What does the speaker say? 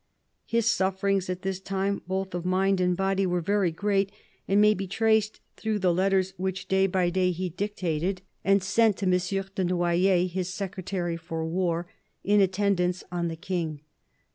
His sufferings at this time, both of mind and body, were very great, and may be traced through the letters which, day by day, he dictated THE CARDINAL 285 and sent to M. de Noyers, his Secretary for War, in attend ance on the King.